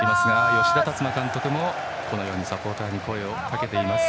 吉田達磨監督もサポーターに声をかけています。